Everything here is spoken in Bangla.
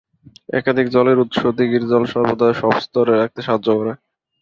একাধিক জলের উৎস দিঘির জল সর্বদা সব স্তরে রাখতে সাহায্য করে।